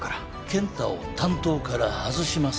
健太を担当から外します。